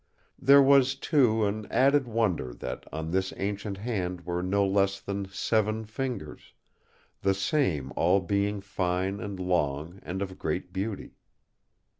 There was, too, an added wonder that on this ancient hand were no less than seven fingers, the same all being fine and long, and of great beauty.